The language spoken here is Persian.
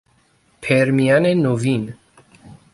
پرمین نوین